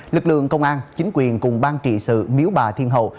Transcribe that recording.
lực lượng công an chính quyền cùng ban trị sự miếu bà thiên hậu